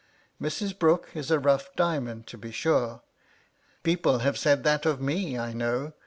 * Mrs. Brooke is a rough diamond, to be sure. People ' have said that of me, I know.